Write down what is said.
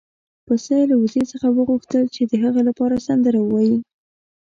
پسه له وزې څخه وغوښتل چې د هغه لپاره سندره ووايي.